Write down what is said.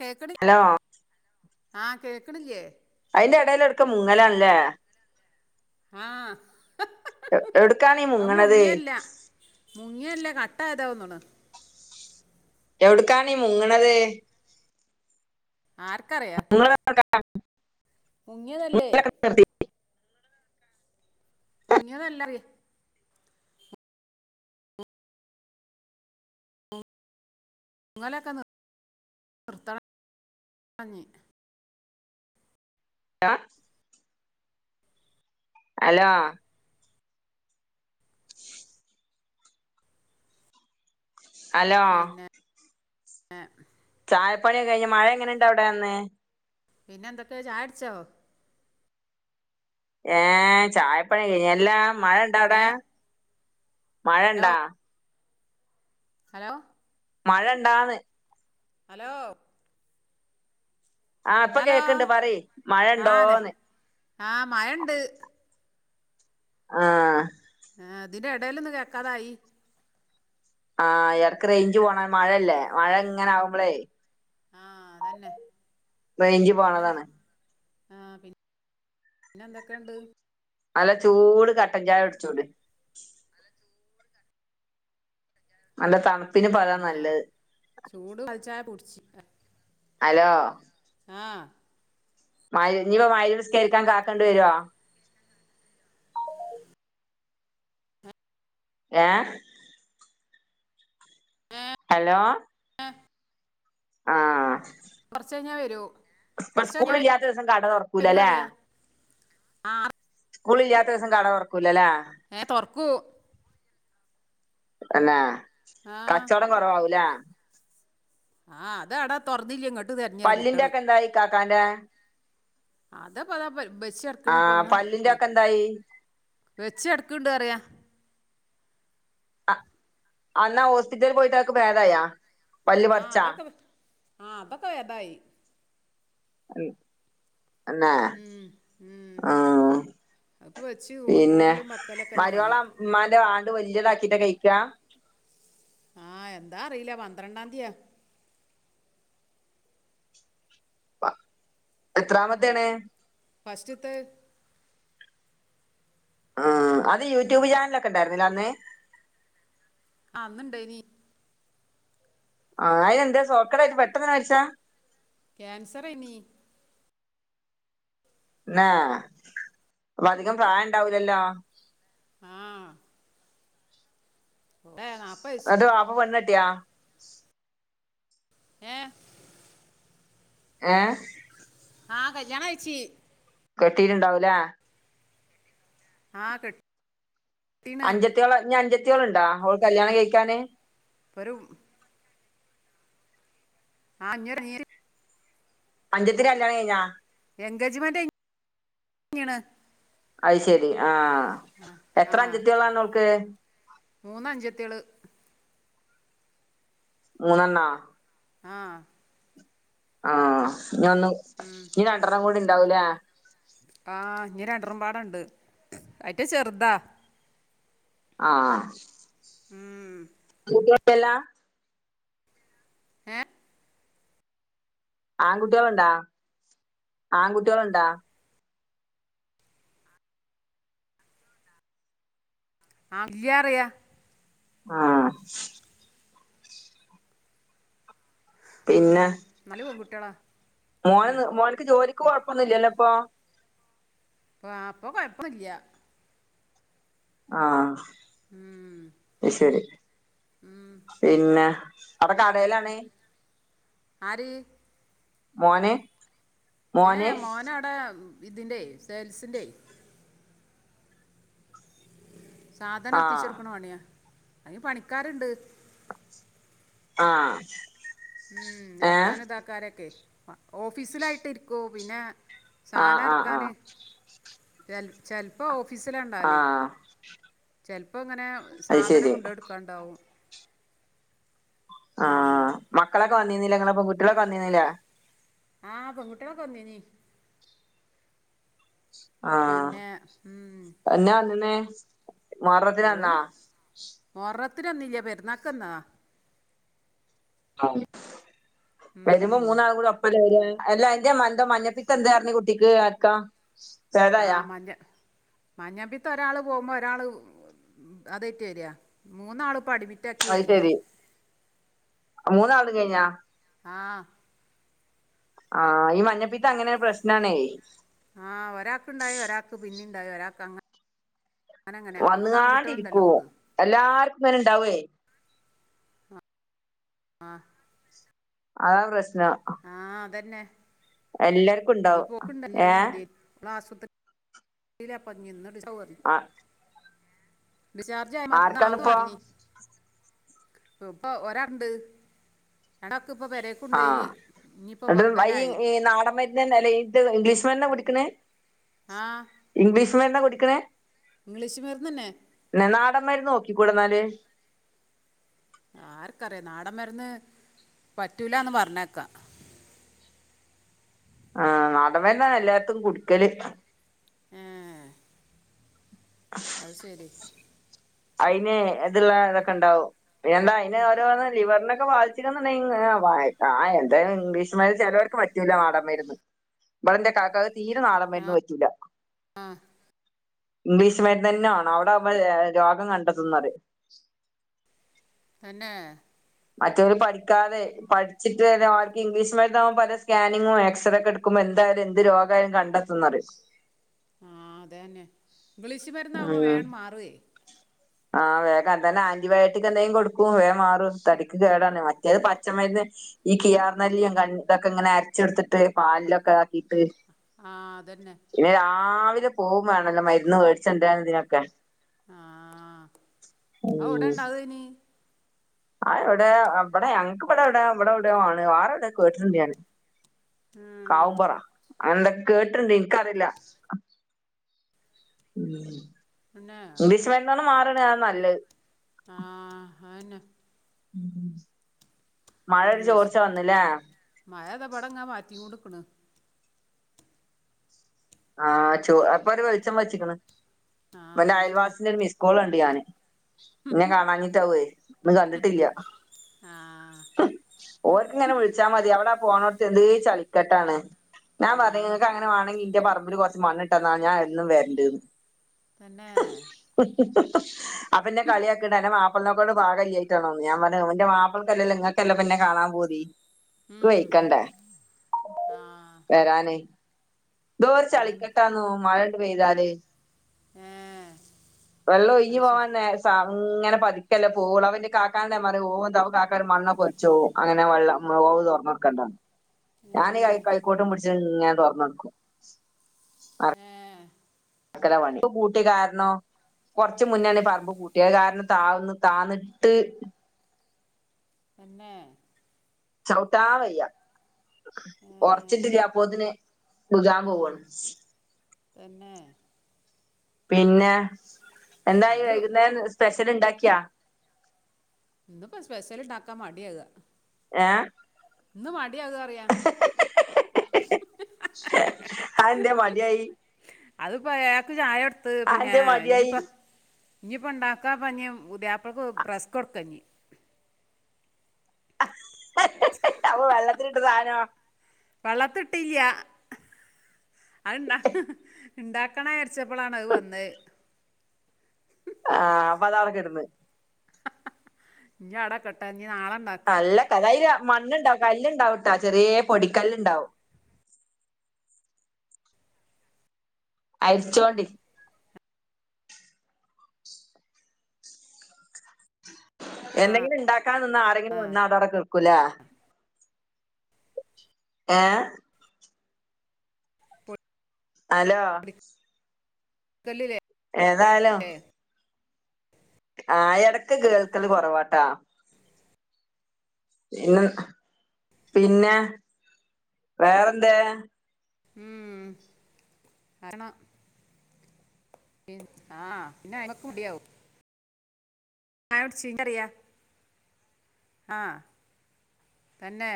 ക്കേക്കണി hello അഹ് കേക്ക്ണില്ലേ? ന്റെ എടേല് എട്ക്ക മുങ്ങലാൺല്ലേ ഉം. അ യിട്ക്കാണീ മുങ്ങണത്? പ്പേയ്താഒന്ന്ണ് എവിട്ക്കാണീ മുങ്ണത്? ആർക്കറിയ? അ. മുങ്ങ്യതല്ലേ? മുങ്ങ്യതല്ലത്. ങ്ങലൊക്കെ നിർ നിർത്തണം ഞ്ഞി ടാ. അലോ. അലോ ഏഹ് ചായപ്പണിയൊക്കെ കഴ്ഞ്ഞ്. മഴ എങ്ങനേണ്ട് അവടെ ഇന്ന്? പിന്നെന്തൊക്കെ ചായടുച്ചോ? ഏഹ് ചായപ്പണി കയിഞ്ഞ്, എല്ലാ ഏ മഴണ്ടാവടെ? ഹലോ മഴണ്ടാ ഹലോ മഴ ഇണ്ടാന്ന് അലോ ആഹ് ഇപ്പൊ കേക്കണ്ട് പറയ് മഴ ആ നെ ഇണ്ടോന്ന് ആ മഴ ഉണ്ട് ആ ആ തിന്റെ എടേലൊന്നും കേക്കാതായി. ആ എട്ക്ക് റെയ്ഞ്ച് പോണ മഴല്ലേ മഴ ഇങ്ങനെ ആകുമ്പളേ ആ അതന്നെ റയ്ഞ്ച് പിന്നെന്താ പോണതാണ്. ആ പി പിന്നെ എന്തൊക്കെണ്ട് നല്ല ചൂട് കട്ടൻചായ ഉട്ച്ചൂട് നല്ല തണുപ്പിന് ഇപ്പതാ ആ നല്ലേ ചൂട് പാൽ ചായ കുടിച്ചി അലോ ആ മയ് ഇനിപ്പ മയ്രിബ് നിസ്കരിക്കാൻ കാക്കേണ്ടി വരൊ ഏ ഹലോ [inaudible] ആ കൊർച്ച് കഴിഞ്ഞാ വരും. ഇപ്പ സ്കൂൾ ഇല്ലാത്ത ദേസം കട വരൂ തൊർക്കൂലല്ലേ അറിയാ ആ സ്കൂൾ ഇല്ലാത്ത ദേസം കട തൊർ ക്കൂല ല്ലേ ഏ തൊർക്കൂ തന്നെ ആ കച്ചോടം കൊർവാവു ലേ ആ അത് എടാ തുറന്നില്ലങ്ങ് പല്ലിന്റെ ഒക്കെ എന്തായി കാക്കാന്റെ അതാ പതാ പരും ആ വെച്ചട്ക്ക്ണ് പൊന്ന് പല്ലിന്റെ ക്ക്ള് ഒക്കെ എന്തായി വെച്ചട് ക്ക്ണ്ട് റയാ അ അന്നാ ഹോസ്പിറ്റലിൽ പോയിട്ട് ആക്ക് ഭേദായാ പല്ല് ആഹ് പറിച്ചാ അതൊക്കെ ആഹ് അതൊക്കെ ഭേദായി. മ് എന്നാ ഉം ഉം ആ അതിപ്പോ വെച്ച് ഊ- പിന്നെ ഊരലും വെക്കലൊക്കെ തന്നെ പണി മരോളെ ഇമ്മാന്റെ ആണ്ട് വല്യതാക്ക ക്കീട്ടാ കഴിക്കാ ആ എന്താ അറിയില പന്ത്രണ്ടാന്തിയാ എത്രാമത്തെയാണ് ഫസ്റ്റ്ത്തെ അത് യൂട്യൂബ് ചാനലൊക്കെ ഉണ്ടായിരുന്നില്ല അന്ന് അ അന്നുണ്ടായിനി ആ അയ്‌ന് എന്താ സോക്കേടായിട്ട് പെട്ടെന്ന് മരിച്ചാ ക്യാൻസർ എയ്നീ ന്നെ അപ്പൊ അധികം പ്രായം ഇണ്ടാവൂലല്ലോ ണ്ടെ നാപ് എന്ന്ട്ട് വാപ്പ പെണ്ണ് കെട്ടിയ ഏ ഏ ആ കല്യാണം കഴിച്ച് കെട്ടിട്ടുണ്ടാവൂലേ ആ കെ [unintelligible] അഞ്ചത്തിയാള് ഇഞ്ഞ് അഞ്ചത്തിയോള്ണ്ടോ ഓൾക്ക് കല്യാണം കഴിക്കാന് പെറും ആ ന്നൊര് അ അഞ്ചത്തിന്റെ കല്യാണ്ണം കഴിഞ്ഞാ എൻഗേജ്മെന്റ് ഞ്ഞ് ണ് അഹ് ശരി ആ ആ എത്ര അഞ്ചത്തിയോളാണ് ഓൾക്ക് മൂന്ന് അഞ്ചത്തിള് മൂന്നണ്ണാ ആ ആ ഇഞ്ഞ് ഒന്ന് ഉം ഇഞ്ഞ് രണ്ടെണ്ണം കൂടി ണ്ടാവൂലേ ആ ഇഞ്ഞ് രണ്ടറും പാടണ്ട് അയിറ്റാ ചെറ്താ ആ ഉം [unintelligible] ല്ലല്ലോ ഏ ആൺകുട്ടികളുണ്ടാ ആൺകുട്ടികളുണ്ടാ ഇല്ലാ റിയാ ആ ഉം പിന്നെ നല് പെൺകുട്ട്യാ ളാ മോന് ന്ന് മോന്ക്ക് ജോലിക്ക് കൊഴപ്പൊന്നുല്ലല്ലോ ഇപ്പൊ പ്പാ പ്പൊ കൊഴപ്പം ല്ല ആ ഉം അഹ്ശരി പിന്നെ അടെ കാടേലാണേ ആര് മോന് ഏ മോന് മോന അടെ ഇതിന്റെ സേൽസിന്റെ സാധനം ആഹ് എത്തിച്ചെട്ക്ക്ണ പണിയാ അയിന് പണിക്കാര്ണ്ട് ആ ഉം എർക്കാനും ഇതാക്കാനെക്കെ ഓഫീസിലായിട്ട് ഇരിക്കും പിന്നെ ആഹ് സാനം ആഹ് എറക്കാന് ആഹ് ചല് പ്പോ ഓ ഫീ സ് ലാ ഇണ്ടാല് ആഹ് ചെൽ പ്പോ ഇങ്ങനെ അത് സാധനം ശരി കൊണ്ടോട്ക്കാണ്ടാവും ആ മക്കളൊക്കെ വന്നീന്നിലേ ഇങ്ങളെ പെൺ കുട്ടിയോളൊക്കെ വന്നിന്നിലേ ആ പെൺകുട്ടിയോളൊക്കെ വന്നീ നീ ആ പിന്നെ ഉം, എഞ്ഞാ വന്നീന്നെ മുഹറത്തിനന്നാ ത്തിനന്നില്ല പെരുന്നാക്ക് വന്നാ ആ വരുമ്പോ മൂന്നാളും കൂടി ഒപ്പല്ലെ വരാ അല്ല എന്ത എന്തേ മഞ്ഞപ്പിത്തണ്ട് റഞ്ഞ്കുട്ടിക്ക് ആര്ക്കാ ആ മഞ്ഞ മഞ്ഞപ്പിത്ത ഒരാൾ പോകുമ്പോ ഒരാള് അത യ്റ്റ് വരാ മൂന്നാള് പ്പോ അടി മി റ്റാക്കി കഴിഞ്ഞ് മൂന്നാള് തും കയിഞ്ഞോ ആ ആ ഈ മഞ്ഞപ്പിത്ത അങ്ങനെ രു പ്രശ്നാണേ ആ ഒരാക്ക് ണ്ടായി ഒരാക്ക് പിന്നി ണ്ടായി ഒരാക്ക് അങ്ങ വന്ന് കാണ്ടിരിക്കു എല്ലാര്ക്കും ങ്ങനെ ഇണ്ടാവേ അ അതാ പ്രശ്നം ആ അതന്നെ എല്ലാർക്കും ഇനി ഉണ്ടാവും പോക്കുണ്ടല്ലോ ഏ. ഇതാപ്പം. [unintelligible] ആ. ഡിസ്ചാർജായി ഇന്ന് ആകുന്ന് പറഞ്ഞിനീ. ഇപ്പ ഒരാണ്ട്. ആ എന്ന വെ ബനായി ഇ നാടന്മരുന്ന്ന്നേ അല്ലെ ഇത് ഇംഗ്ലീഷ് മരുന്ന് പിടി- ക്ക്‌ണ്. ആ. നാടൻ മരുന്നാ കുടിക്കണേ. ഇംഗ്ലീഷ് മരുന്ന് ന്നെ. ന്നാ നാടൻ മാരുന്ന് നോക്കിക്കൂടെ എന്നാല്. ആർക്കറിയ നാടൻ മരുന്ന് പറ്റൂലാന്ന് പറഞ്ഞേക്കാം. ആ നാടൻ മരുന്ന് എല്ലാടത്തും കുടിക്കല്. ഏഹ്. അത് ശരി. അതിന് ഇതുള്ള ഇതൊക്കെ ഉണ്ടാവും പിന്ന എന്താ അതിന് ഓരോന്ന് ലിവറിനെക്കെ ബാധിക്കുന്നുണ്ട് ആ എന്തായാലും ഇംഗ്ലീഷ് മരുന്ന് ചിലവർക്ക് പറ്റുല്ല നാടന് മരുന്ന്. ഇവടെഎന്റെ കാക്കക്ക് തീരെ നാട ആ മരുന്നും പറ്റൂല്ല. ആ. ഇംഗ്ലീഷു മരുന്ന് തന്നെ വേണം അവിടെ ഏ രോഗം കണ്ടെത്തുന്ന് പറയും. തന്നെ. മറ്റെവര് പഠിക്കാതെ പഠിച്ചിട്ട് അവർക്ക് ഇംഗ്ലീഷ് മരുന്ന് ആവുമ്പോ പല സ്കാനിങ്ങും എക്സറേ ഒക്കെ എടുക്കുമ്പം. എന്തായാലും എന്ത് രോഗായാലും കണ്ടെത്തും എന്ന് പറയും. ആ അത് തന്നെ ഇംഗ്ലിഷു മരുന്ന് ആവുമ്പോ ഉം വേഗം മാറുവെലേ. ആ വേഗം എന്താന്നെ ആന്റിബയോട്ടിക് എന്തെങ്കും കൊടുക്കും വേഗം മാറും. തടിക്ക് കേടാണ് മറ്റേത് പച്ചമരുന്ന് ഈ കിയർ നെല്ലിയും കണ്ടതൊക്കെ ഇങ്ങനെ അരച്ചെടുത്തിട്ട് പാല് ലിലോക്കെ ആക്കിയിട്ട്. ആ അതന്നെ. പിന്നെ പോകും വേണല്ലോ മരുന്ന് മേടിച്ചോണ്ട് വരാനും ഇതിനൊക്കെ. ആ ആ എവിടെ ഉം ഇണ്ടാക്കുയിന്. ആ എവിടെ ഇവിടെ ഞക്ക് ഇവിടെ എവിടെയോ ഇവിടെ എവിടെയോ ആണ് ആറെ എവിടെയോ കേട്ടിട്ടുണ്ട് ഞാന്. ഉം കാവുപ്പുറം അങ്ങനെ ന്തോ. കേട്ടിട്ടുണ്ട് എനിക്ക് അ‌റില്ല. പിന്നെ ഇംഗ്ലീഷ് മരുന്നു കൊണ്ട് മാറു ആണേ അതാനല്ലത്. ആ അതന്നെ. മഴ ഒരു ചോർച്ച വന്നില്ലേ. മഴഇതാ ഇവടങ്ങനെ പാറ്റി കൊണ്ടുനിക്കാണ്. ആ ചോ അപ്പൊ ഒരു വെളിച്ചം വെച്ചിക്കണ്, ആ എന്റെ അതന്നെ അയൽവാസിന്റെ ഒരു മിസ്കോൾ കണ്ട് ഞാന്. ഇന്നെ കാണാഞ്ഞിട്ടാവുവേ ഇന്ന് കണ്ടിട്ടില്ല. ആ ഓർക്ക്‌ ഇങ്ങനെ വിളിച്ചാ മതി എവിടാ പോന്നോടത് ന്തെലും ചളി കെട്ടാണ് ഞാൻ ആ പറഞ്ഞ് നിങ്ങക്ക് ന്റെ പറമ്പി കുറച്ച് മണ്ണിട്ടന്നാ ഞാൻ എന്നും വരണ്ടിന്ന്. തന്നെ. ആ പിന്നെ കളിയാക്കിണ്ട് ന്റെ മാപ്പ പ്പക്കോട് പാകയിലായിട്ടാന്ന് ഞാൻ പറഞ്ഞു ന്റെ മാപ്പളയ്ക്കാല്ലല്ലോ നിങ്ങക്ക് എന്നെ കാണാൻ പുതി. നിക്ക് ഉം വയ്ക്കണ്ടേ ആ വരാന്. അതന്നെ ചളിക്കട്ടാ. ആന്നോ മഴയണ്ട് പെയ്താല്. ഏ വെള്ളോ ഒഴിഞ്ഞു അത് ശരി പോവാൻ നേ സാ ഉം ഇങ്ങനെ പതിക്കല്ലേ പോളു അവന്റെ കാക്കാനോട് പറയു ഓ എന്താ കാക്ക പറയും മണ്ണക്കൊലിച്ചു പോവും അങ്ങനെ വെള്ളം. വ് തൊറന്നെടുക്കേണ്ട് വന്ന് ഏ ഞാന് കൈക്കോട്ടും പിടിച്ച് ഇങ്ങനെ തുറന്നെടുക്കും ആഹ അരണി ഇപ്പ കൂട്ടിക്കാരണോ കുറച്ചു മുന്നണ പറമ്പ് കൂട്ടിയത് കാരണം താന്ന് താന്നിട്ട് പിന്നെ ചവിട്ടാൻ വയ്യ ഏ ഉറച്ചിട്ടില്ലപ്പതിന് മുഖാൻ പോവാണ് പിന്നെ പിന്നെ എന്തായി അത് വൈകുന്നേരം സ്പെഷ്യൽ ഉണ്ടാക്കിയാ ഇന്തപ്പോ സ്പെഷ്യലിണ്ടആക്കാൻ മടിയാകാ ഏ ഇന്ന് മടിയക എന്ന് പറയാ ആ എന്താ മടിയായി അതിപ്പോ ഏക്ക് ചായ എടുത്ത് പിന്നെ അതെന്തേ ഇനിപ്പ മടിയായി ഇനിയിപ്പോ ഉണ്ടാക്കാഞ്പുതിയാപ്പ ളക്ക് റസ്ക്ക്കൊടുക്കഞ്ഞി അപ്പൊ വെള്ളത്തിലിട്ട സാധനോ വെള്ളത്തി ഇട്ടല്ല അത്ണ്ട ഇണ്ടാക്കണ വച്ചപ്പോളാണ് അത് വന്നത് ആഹ അപ്പൊ അതളൊ കെടന്ന് ഞ അട കെട്ടാ ഇനി നാളെ ഉണ്ടാക്കാം അല്ല കഥാ അതിന് മണ്ണുണ്ടാവും കല്ല്ണ്ടാവട്ടാ ചെറിയ പൊടിക്കല്ലുണ്ടാവും അരിച്ചോണ്ടി ആ എന്തെങ്കിലും ഉണ്ടാക്കാ നിന്ന് ആ ആരെങ്കിലും വന്നാൽ അതവിടെ കിടക്കും ലേ ഏ ഹലോ പൊടിക്കല്ലേ ഏതായാലും ആ ഇടക്ക് കേൾക്കല് കുറവാട്ടാ പിന്നെ പിന്നെ വേറെന്താ ഉം അരണ പി ആഹ പിന്നെ അ്മക്ക് കുടിയവും ഞാനോട് ചീചറിയാ ആഹ തന്നെ